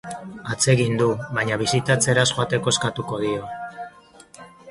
Atsegin du, baina bisitatzera ez joateko eskatuko dio.